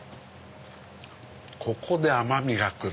ここで甘みがくる。